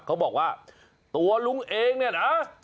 เขาบอกว่าตัวลุงเองเนี่ยนะ